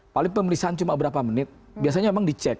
paling pemeriksaan cuma berapa menit biasanya memang dicek